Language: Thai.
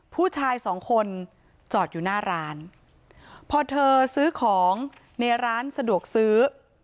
ผู้ชายสองคนจอดอยู่หน้าร้านพอเธอซื้อของในร้านสะดวกซื้อ